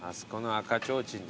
赤ちょうちん。